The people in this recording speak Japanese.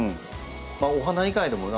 お花以外でもね